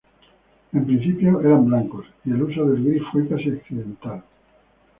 En principio eran blancos, y el uso del gris fue casi accidental.